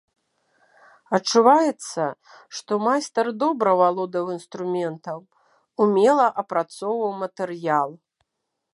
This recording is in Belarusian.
Адчуваецца, што майстар добра валодаў інструментам, умела апрацоўваў матэрыял.